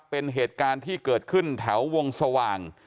เป็นเหตุการณ์ที่เกิดขึ้นแถววงสว่าง